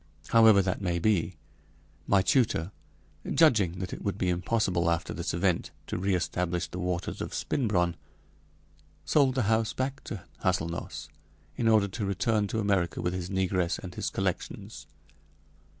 However that may be, my tutor, judging that it would be impossible after this event to reestablish the waters of Spinbronn, sold the house back to Hâselnoss, in order to return to America with his negress and collections.